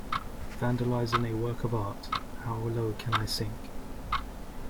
Vandalizing a work of art; how low could I sink?